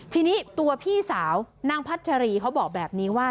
ทีนี้ตัวพี่สาวนางพัชรีเขาบอกแบบนี้ว่า